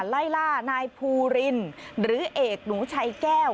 ไล่ล่านายภูรินหรือเอกหนูชัยแก้ว